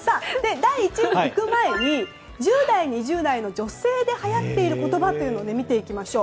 第１位にいく前に１０代、２０代の女性で流行っている言葉を見ていきましょう。